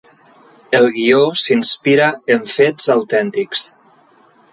El guió s’inspira en fets autèntics.